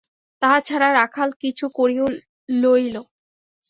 তাহা ছাড়া রাখাল কিছু কড়িও লইল।